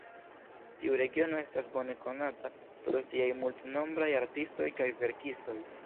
Tiu regiono estas bone konata pro siaj multnombraj artistoj kaj verkistoj.